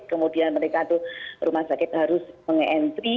kemudian mereka itu rumah sakit harus meng entry